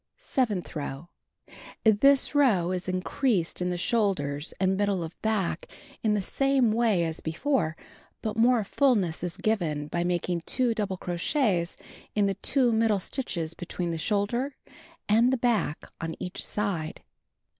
Seventh row: This row is mci eased in the shoulders and middle of back in the same way as b(>fore, but more fulness is given by making 2 double crochets in the 2 middle stitches between the shoulder and the back on each side.